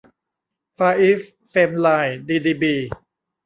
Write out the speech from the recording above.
ฟาร์อีสท์ เฟมไลน์ ดีดีบี